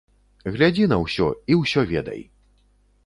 Глядзі на ўсё і ўсё ведай.